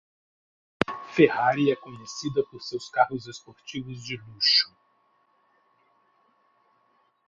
Ferrari é conhecida por seus carros esportivos de luxo.